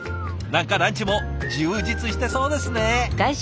何かランチも充実してそうですね。